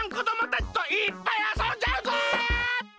たちといっぱいあそんじゃうぞ！